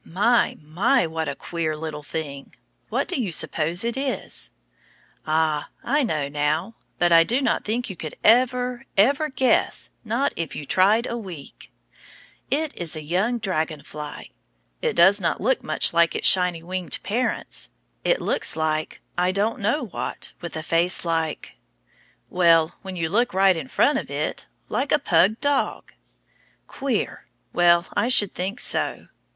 My! my! what a queer little thing! What do you suppose it is? Ah, I know now, but I do not think you could ever, ever guess, not if you tried a week. It is a young dragon fly! It does not look much like its shiny winged parents. It looks like I don't know what, with a face like well, when you look right in front of it, like a pug dog. Queer! Well, I should think so!